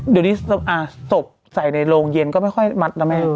เดี๋ยวนี้ศพใส่ในโรงเย็นก็ไม่ค่อยมัดนะแม่